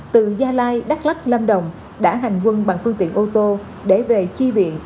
từ gia lai đắk lắc lâm đồng đã hành quân bằng phương tiện ô tô để về chi viện